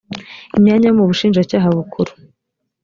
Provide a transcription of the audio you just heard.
imyanya yo mu bushinjacyaha bukuru